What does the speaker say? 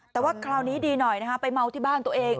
แต่ว่าคราวนี้ดีหน่อยนะฮะไปเมาที่บ้านตัวเอง